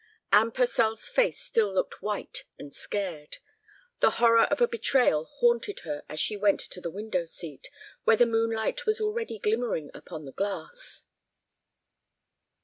Anne Purcell's face still looked white and scared. The horror of a betrayal haunted her as she went to the window seat, where the moonlight was already glimmering upon the glass.